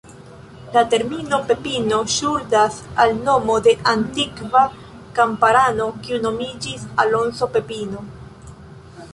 La termino "Pepino" ŝuldas al nomo de antikva kamparano kiu nomiĝis Alonso Pepino.